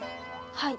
はい。